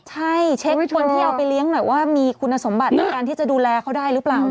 ใช่เช็คคนที่เอาไปเลี้ยงหน่อยว่ามีคุณสมบัติในการที่จะดูแลเขาได้หรือเปล่า